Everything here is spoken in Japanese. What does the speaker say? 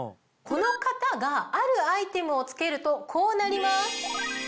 この方があるアイテムを着けるとこうなります。